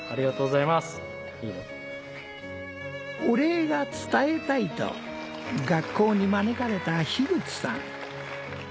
お礼が伝えたいと学校に招かれた樋口さん。